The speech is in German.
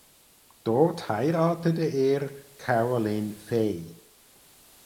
Dort heiratete er Caroline Faye.